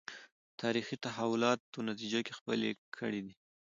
تاریخي تحولاتو نتیجه کې خپلې کړې دي